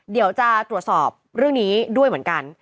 เดี๋ยวจะตรวจสอบเรื่องนี้ด้วยเหมือนกัน